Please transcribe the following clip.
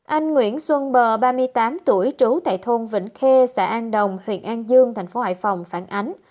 anh nguyễn xuân bờ ba mươi tám tuổi trú tại thôn vĩnh khê xã an đồng huyện an dương thành phố hải phòng phản ánh